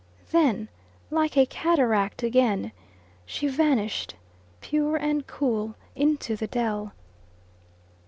Then, like a cataract again, she vanished pure and cool into the dell.